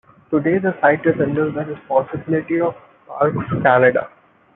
Today the site is under the responsibility of Parks Canada.